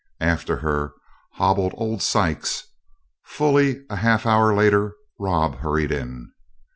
After her hobbled old Sykes. Fully a half hour later Rob hurried in.